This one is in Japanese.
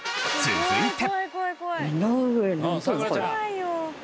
続いて。